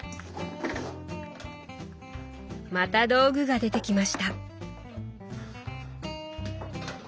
また道具が出てきました。